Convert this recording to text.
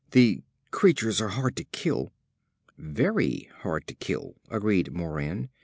The creatures are hard to kill." "Very hard to kill," agreed Moran.